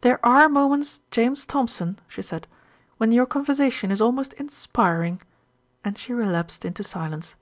"There are moments, James Thompson," she said, "when your conversation is almost inspiring," and she relapsed into silence.